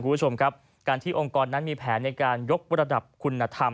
คุณผู้ชมครับการที่องค์กรนั้นมีแผนในการยกระดับคุณธรรม